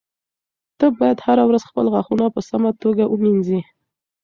ته باید هره ورځ خپل غاښونه په سمه توګه ومینځې.